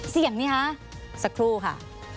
เสียงนี้ฮะสักครู่ค่ะ